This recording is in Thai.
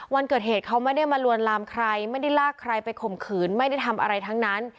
วันเกิดเหตุเขาไม่ได้มาลวนลามใครไม่ได้ลากใครไปข่มขืนไม่ได้ทำอะไรทั้งนั้น